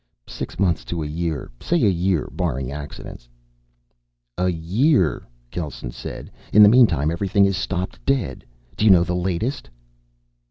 "Six months to a year. Say a year, barring accidents." "A year," Gelsen said. "In the meantime, everything is stopping dead. Do you know the latest?"